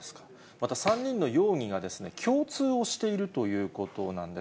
また３人の容疑が共通しているということなんです。